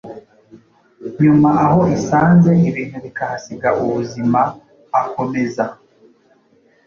nyuma aho isanze ibintu bikahasiga ubuzima”. Akomeza